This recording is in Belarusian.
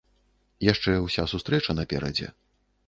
Яшчэ ўся сустрэча наперадзе.